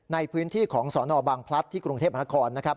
ในพื้นที่ของสนบางพลัดที่กรุงเทพฯมหาคล